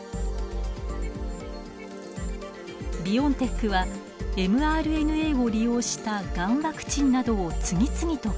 ビオンテックはｍＲＮＡを利用したがんワクチンなどを次々と開発。